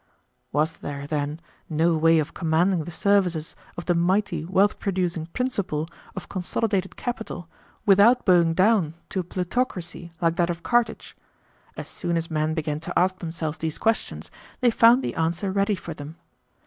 "Was there, then, no way of commanding the services of the mighty wealth producing principle of consolidated capital without bowing down to a plutocracy like that of Carthage? As soon as men began to ask themselves these questions, they found the answer ready for them.